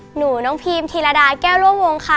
หนูน้องพีมธีรดาแก้วร่วมวงค่ะ